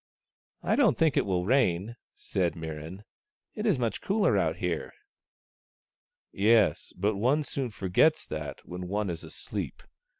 " I don't think it will rain," said Mirran. " It is much cooler out here." " Yes, but one soon forgets that when one is asleep.